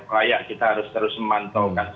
kayak kita harus terus memantaukan